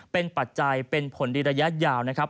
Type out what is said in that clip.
เป็นปัจจัยเป็นผลดีระยะยาวนะครับ